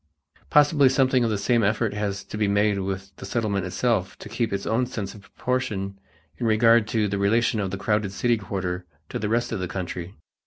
Possibly something of the same effort has to be made within the Settlement itself to keep its own sense of proportion in regard to the relation of the crowded city quarter to the rest of the country.